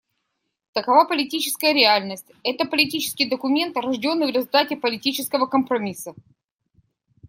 Такова политическая реальность: это политический документ, рожденный в результате политического компромисса.